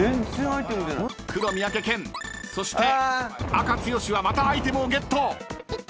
［黒三宅健そして赤剛はまたアイテムをゲット］